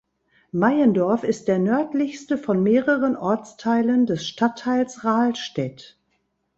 Meiendorf ist der nördlichste von mehreren Ortsteilen des Stadtteils Rahlstedt.